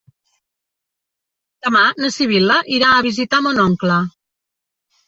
Demà na Sibil·la irà a visitar mon oncle.